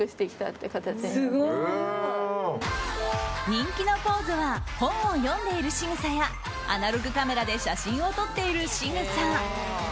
人気のポーズは本を読んでいるしぐさやアナログカメラで写真を撮っているしぐさ。